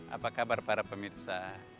apa kabar para pemirsa